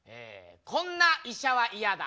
こんな医者は嫌だ。